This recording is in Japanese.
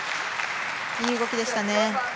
いい動きでしたね。